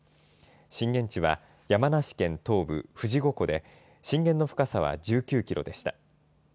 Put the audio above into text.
震源地は山梨県東部、富士五湖で、震源の深さは１９キロでした。